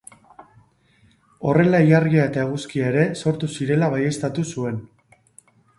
Horrela ilargia eta eguzkia ere sortu zirela baieztatu zuen.